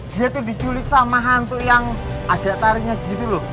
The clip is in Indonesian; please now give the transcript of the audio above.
dia tuh diculik sama hantu yang ada taringnya gitu loh